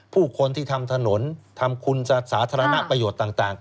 ผู้คนที่ทำถนนทำคุณสาธารณประโยชน์ต่าง